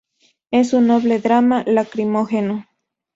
Es un noble drama lacrimógeno.